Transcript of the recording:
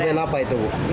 dokumen apa itu